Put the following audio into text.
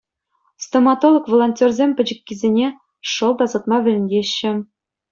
Стоматолог-волонтерсем пӗчӗккисене шӑл тасатма вӗрентеҫҫӗ.